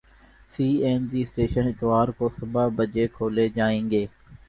سی N G station اتوار کو صبح بجے کھولے جائیں گے